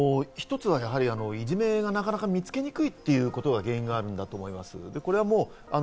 一つは、いじめがなかなか見つけにくいということが原因があると思います。